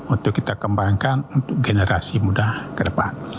untuk kita kembangkan untuk generasi muda ke depan